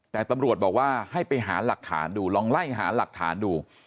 แต่ตำรวจบอกว่าให้ไปหาหลักฐานดูลองไล่หาหลักฐานดู